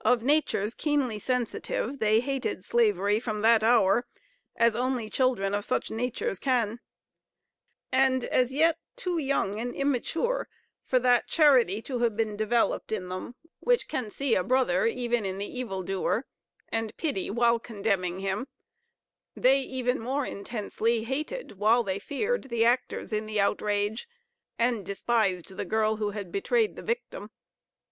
Of natures keenly sensitive, they hated slavery, from that hour, as only children of such natures can; and as yet too young and immature for that charity to have been developed in them, which can see a brother even in the evil doer, and pity while condemning him, they even more intensely hated, while they feared, the actors in the outrage, and despised the girl who had betrayed the victim.